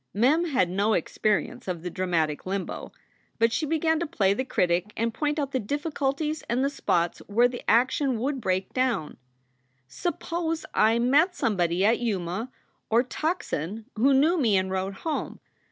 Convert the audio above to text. Mem had no experience of the dramatic limbo; but she began to play the critic and point out the difficulties and the spots where the action would break down: "Suppose I met somebody at Yuma or Tuckson who knew me and wrote home.